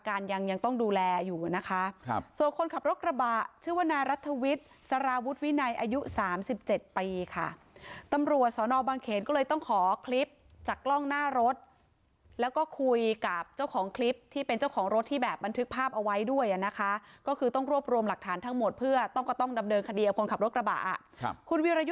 เขาจะโค้งซ้ายเขาจะโค้งซ้ายเขาจะโค้งซ้ายเขาจะโค้งซ้ายเขาจะโค้งซ้ายเขาจะโค้งซ้ายเขาจะโค้งซ้ายเขาจะโค้งซ้ายเขาจะโค้งซ้ายเขาจะโค้งซ้ายเขาจะโค้งซ้ายเขาจะโค้งซ้ายเขาจะโค้งซ้ายเขาจะโค้งซ้ายเขาจะโค้งซ้าย